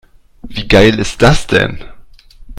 Wie geil ist das denn?